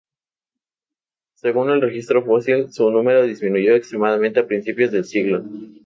Según el registro fósil, su número disminuyó extremadamente a principios del siglo.